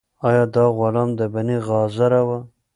آیا دا غلام د بني غاضرة و؟